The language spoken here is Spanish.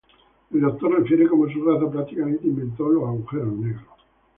El Doctor refiere cómo su raza "prácticamente inventó" los agujeros negros.